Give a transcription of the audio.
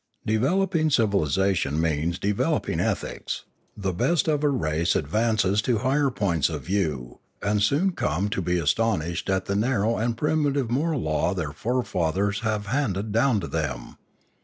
Developing civilisation means developing ethics; the best of a race advance to higher points of view, and soon come to be astonished at the narrow and primitive moral law their forefathers have handed down to them.